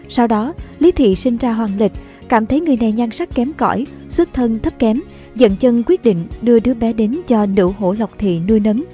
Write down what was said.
sau đó lý thị sinh ra hoàng lịch cảm thấy người này nhan sắc kém cõi xuất thân thấp kém dẫn chân quyết định đưa đứa bé đến cho nữ hổ lộc thị nuôi nấm